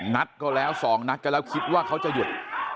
นัดก็แล้ว๒นัดก็แล้วคิดว่าเขาจะหยุด